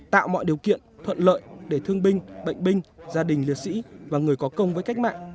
tạo mọi điều kiện thuận lợi để thương binh bệnh binh gia đình liệt sĩ và người có công với cách mạng